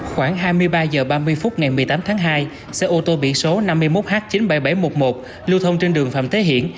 khoảng hai mươi ba h ba mươi phút ngày một mươi tám tháng hai xe ô tô biển số năm mươi một h chín mươi bảy nghìn bảy trăm một mươi một lưu thông trên đường phạm thế hiển